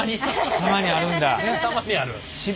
たまにあるんだ。